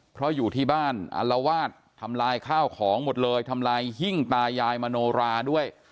เพราะอยู่ที่บ้านอัลวาดทำลายข้าวของหมดเลยทำลายหิ้งตายายมโนราด้วย